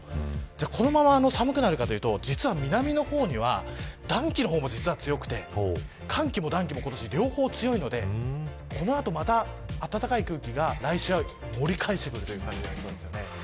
じゃあ、このまま寒くなるかというと、実は南の方には暖気も強くて寒気も暖気も今年、両方強いのでこの後また暖かい空気が来週は盛り返してくるという感じになりますね。